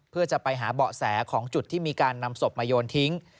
เพื่อจะไปหาเบาะแสของจุดที่มีการนำศพมาโยนทิ้ง